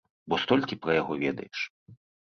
Бо столькі пра яго ведаеш.